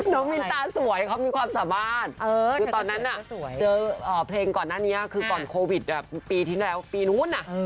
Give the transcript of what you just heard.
มินตาสวยเขามีความสามารถคือตอนนั้นเจอเพลงก่อนหน้านี้คือก่อนโควิดปีที่แล้วปีนู้น